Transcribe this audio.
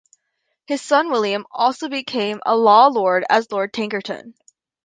His son William also became a law lord as Lord Thankerton.